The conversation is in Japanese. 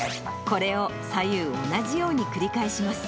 これを左右同じように繰り返します。